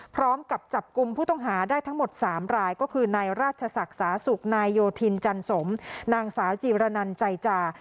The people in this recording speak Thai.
พร้อมกับจับกลุ่มผู้ต้องหาได้ทั้งหมด๓รายก็คือนายราชศักดิ์สาสุขนายโยธินจันสมนางสาวจีรนันใจจา